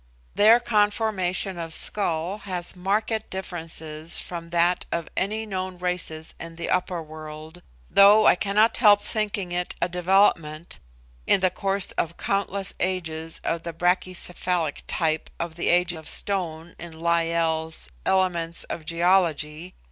Their conformation of skull has marked differences from that of any known races in the upper world, though I cannot help thinking it a development, in the course of countless ages of the Brachycephalic type of the Age of Stone in Lyell's 'Elements of Geology,' C.